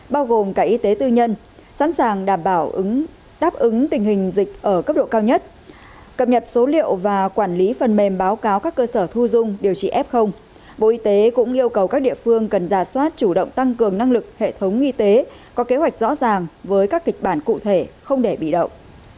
bộ y tế cũng yêu cầu các địa phương cần giả soát chủ động tăng cường năng lực hệ thống y tế có kế hoạch rõ ràng với các kịch bản cụ thể không để bị động